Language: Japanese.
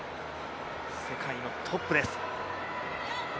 世界のトップです。